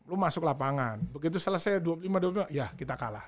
lo masuk lapangan begitu selesai dua puluh lima dua puluh lima ya kita kalah